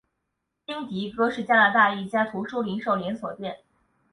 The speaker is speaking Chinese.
英迪戈是加拿大一家图书零售连锁店。